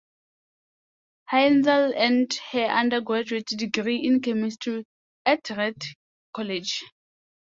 Haendel earned her undergraduate degree in chemistry at Reed College.